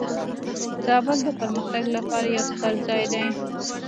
زابل د پرمختګ لپاره یو ستر ځای دی.